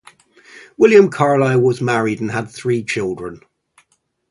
William Carlisle was married and had three children.